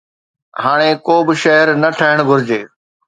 هاڻي ڪو به شهر نه ٺهڻ گهرجي